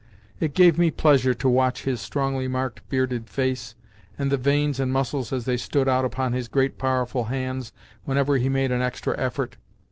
It gave me pleasure to watch his strongly marked, bearded face, and the veins and muscles as they stood out upon his great powerful hands whenever he made an extra effort.